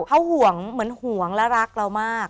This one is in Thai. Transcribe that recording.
เขาห่วงเหมือนห่วงและรักเรามาก